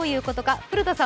古田さん